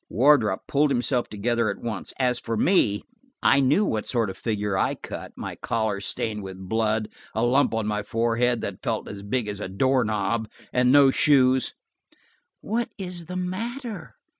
Wardrop pulled himself together at once. As for me, I knew what sort of figure I cut, my collar stained with blood, a lump on my forehead that felt as big as a doorknob, and no shoes. "What is the matter?"